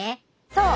そう。